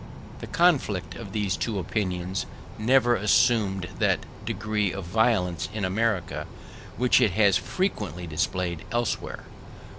The conflict of these two opinions never assumed that degree of violence in America which it has frequently displayed elsewhere.